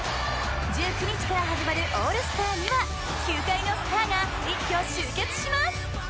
１９日から始まるオールスターには球界のスターが一挙集結します！